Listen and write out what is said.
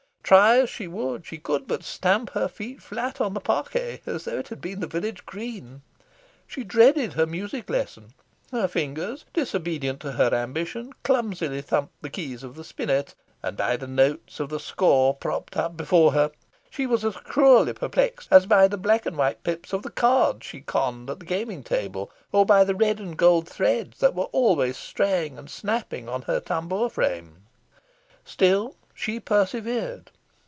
Try as she would, she could but stamp her feet flat on the parquet, as though it had been the village green. She dreaded her music lesson. Her fingers, disobedient to her ambition, clumsily thumped the keys of the spinet, and by the notes of the score propped up before her she was as cruelly perplexed as by the black and red pips of the cards she conned at the gaming table, or by the red and gold threads that were always straying and snapping on her tambour frame. Still she persevered.